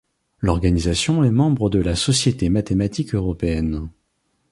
L'organisation est membre de la Société mathématique européenne.